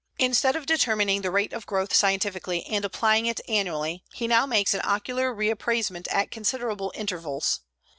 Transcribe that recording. Instead of determining the rate of growth scientifically and applying it annually, he now makes an ocular reappraisement at considerable intervals.